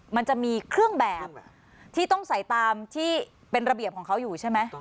มันจะมีเครื่องแบบที่ต้องใส่ตามที่เป็นระเบียบของเขาอยู่ใช่ไหม